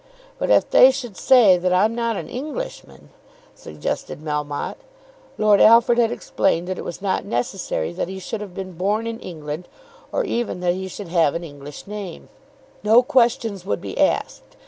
"But if they should say that I'm not an Englishman?" suggested Melmotte. Lord Alfred had explained that it was not necessary that he should have been born in England, or even that he should have an English name. No questions would be asked.